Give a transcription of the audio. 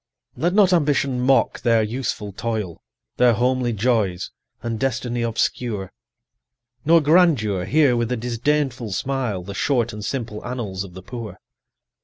Let not Ambition mock their useful toil, Their homely joys, and destiny obscure; 30 Nor Grandeur hear with a disdainful smile The short and simple annals of the poor.